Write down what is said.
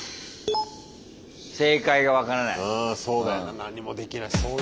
何もできない。